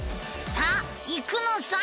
さあ行くのさ！